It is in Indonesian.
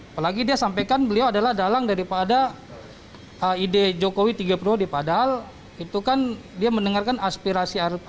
apalagi dia sampaikan beliau adalah dalang daripada ide jokowi tiga puluh di padal itu kan dia mendengarkan aspirasi di bawah